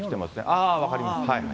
ああ、分かります。